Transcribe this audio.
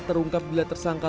terungkap bila tersangka